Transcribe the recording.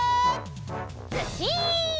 ずっしん！